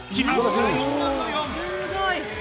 すごい！